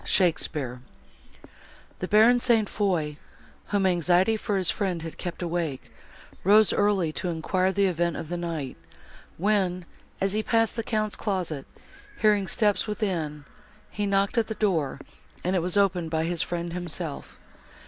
SHAKESPEARE The Baron St. Foix, whom anxiety for his friend had kept awake, rose early to enquire the event of the night, when, as he passed the Count's closet, hearing steps within, he knocked at the door, and it was opened by his friend himself.